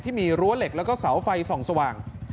รั้วเหล็กแล้วก็เสาไฟส่องสว่าง